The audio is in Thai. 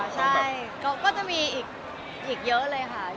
ใช่ก็จะมีอีกเยอะเลยค่ะ